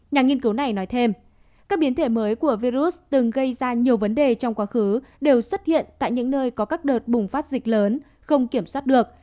nhà nghiên cứu này nói thêm các biến thể mới của virus từng gây ra nhiều vấn đề trong quá khứ đều xuất hiện tại những nơi có các đợt bùng phát dịch lớn không kiểm soát được